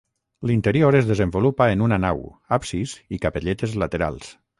L'interior es desenvolupa en una nau, absis i capelletes laterals.